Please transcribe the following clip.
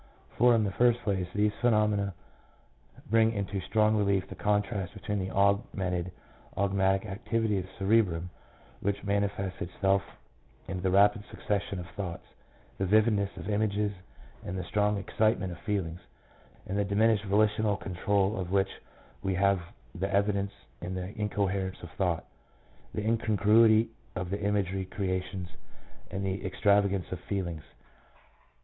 For in the first place these phenomena bring into strong relief the contrast between the augmented automatic activity of the cerebrum, which manifests itself in the rapid succession of thoughts, the vividness of images, and the strong excitement of feelings, — and the diminished volitional control of which we have the evidence in the incoherence of thought, the incongruity of the imaginary creations, and the extravagance of the feelings.